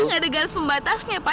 nggak ada garis pembatasnya pak